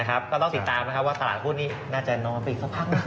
นะครับเดี๋ยวต้องติดตามนะครับว่าตลาดหุ้นนี้น่าจะนอนไปก็ออกไปเมื่อสักพัก